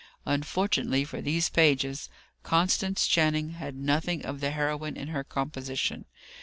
Unfortunately for these pages, Constance Channing had nothing of the heroine in her composition.